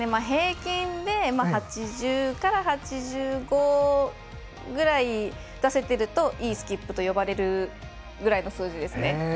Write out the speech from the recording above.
平均で、８０から８５ぐらいを出せていると、いいスキップと呼ばれるぐらいの数字ですね。